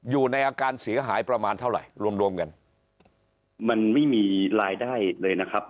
อยู่ในอาการเสียหายประมาณเท่าไหร่รวมรวมกันมันไม่มีรายได้เลยนะครับ